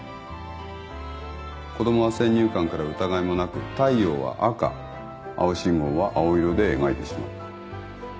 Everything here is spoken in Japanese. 子供は先入観から疑いもなく太陽は赤青信号は青色で描いてしまう。